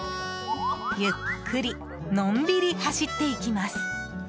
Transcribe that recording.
ゆっくり、のんびり走っていきます。